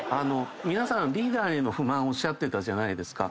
皆さんリーダーへの不満おっしゃってたじゃないですか。